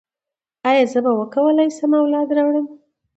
ایا زه به وکولی شم اولاد راوړم؟